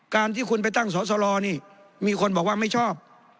การที่คุณไปตั้งสอสรนี่มีคนบอกว่าไม่ชอบ